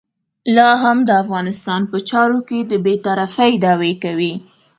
لا هم د افغانستان په چارو کې د بې طرفۍ دعوې کوي.